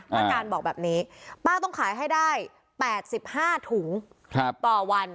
ป้าการบอกแบบนี้ป้าต้องขายให้ได้แปดสิบห้าถุงครับต่อวัน